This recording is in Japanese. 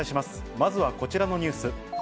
まずはこちらのニュース。